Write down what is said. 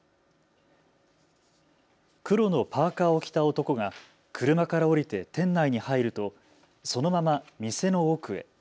黒のパーカーを着た男が車から降りて店内に入るとそのまま店の奥へ。